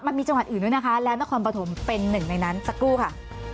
มันมีจังหวัดอื่นด้วยนะคะและนครปฐมเป็นหนึ่งในนั้นสักครู่ค่ะ